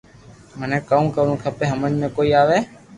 مني ڪاو ڪروُ کپئ ھمج مي ڪوئي آو